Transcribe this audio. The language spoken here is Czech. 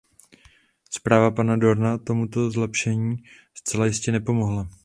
Zpráva pana Doorna tomuto zlepšení zcela jistě napomohla.